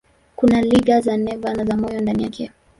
Kuna liga za neva na za moyo ndani yake.